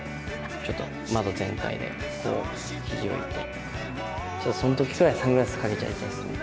ちょっと窓全開で、こう、ひじ置いて、そのときくらいサングラスかけちゃいたいですね。